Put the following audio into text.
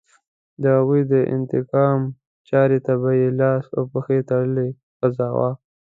د هغوی د انتقام چاړې ته به یې لاس او پښې تړلې غځاوه.